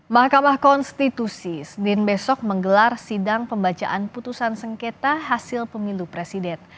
mahkamah konstitusi senin besok menggelar sidang pembacaan putusan sengketa hasil pemilu presiden